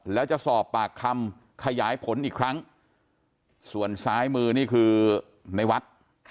แล้วจะสอบปากคำขยายผลอีกครั้งส่วนซ้ายมือนี่คือในวัด